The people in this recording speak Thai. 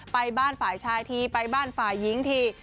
ไปบ้านฝ่ายชายทีไปบ้านฝ่ายหญิงที